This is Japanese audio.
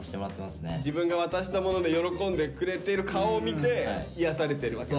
自分が渡したもので喜んでくれてる顔を見て癒やされてるわけだ。